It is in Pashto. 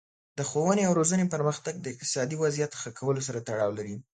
د ښوونې او روزنې پرمختګ د اقتصادي وضعیت ښه کولو سره تړاو لري.